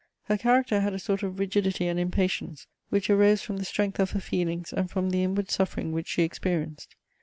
Her character had a sort of rigidity and impatience, which arose from the strength of her feelings and from the inward suffering which she experienced.